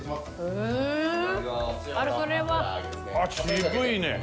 あっ渋いね。